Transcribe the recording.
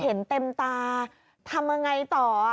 เห็นเต็มตาทำยังไงต่อ